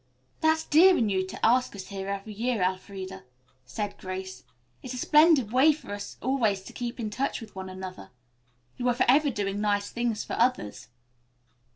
"That's dear in you to ask us here every year, Elfreda," said Grace. "It's a splendid way for us always to keep in touch with one another. You are forever doing nice things for others."